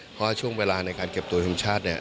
เพราะว่าช่วงเวลาในการเก็บตัวทีมชาติเนี่ย